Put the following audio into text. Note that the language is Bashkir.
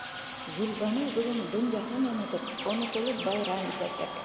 Гөлбаныу бөгөн донъяһын онотоп, онотолоп байрам итәсәк!